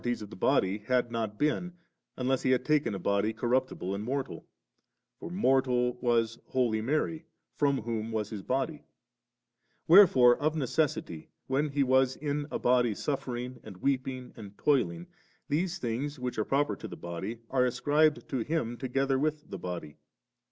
to His manhood. For in the incorporeal, the properties of body had not been, unless He had taken a body corruptible and mortal '; for mortal was Holy Mary, from whom was His body. Wherefore of necessity when He was in a body suffering, and weeping, and toiling, these things which are proper to the flesh, are ascribed to Him together with the body.